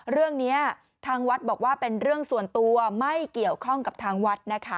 เรื่องนี้ทางวัดบอกว่าเป็นเรื่องส่วนตัวไม่เกี่ยวข้องกับทางวัดนะคะ